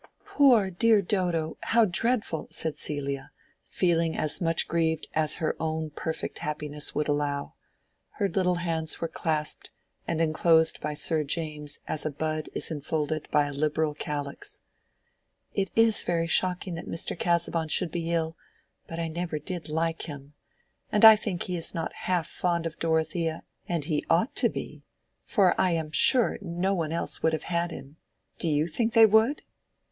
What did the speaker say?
"Poor dear Dodo—how dreadful!" said Celia, feeling as much grieved as her own perfect happiness would allow. Her little hands were clasped, and enclosed by Sir James's as a bud is enfolded by a liberal calyx. "It is very shocking that Mr. Casaubon should be ill; but I never did like him. And I think he is not half fond enough of Dorothea; and he ought to be, for I am sure no one else would have had him—do you think they would?"